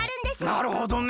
なるほどね。